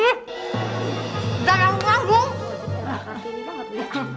udah enak banget